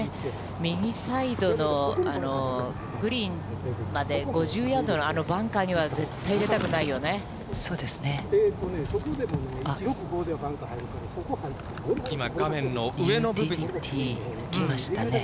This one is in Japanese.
右サイドのグリーンまで５０ヤードのあのバンカーには絶対入れたそうですね。